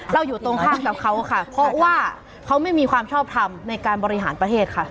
อยู่ตรงข้ามกับเขาค่ะเพราะว่าเขาไม่มีความชอบทำในการบริหารประเทศค่ะ